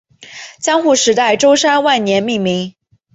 江户时代舟山万年命名。